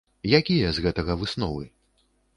Якія з гэтага высновы?